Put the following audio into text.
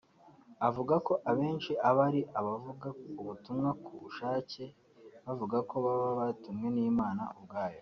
avuga ko abenshi aba ari abavuga ubutumwa ku bushake bavuga ko baba batumwe n’Imana ubwayo